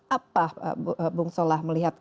apa bung solah melihat